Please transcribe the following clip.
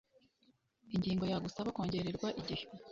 ingingo ya gusaba kongererwa igihe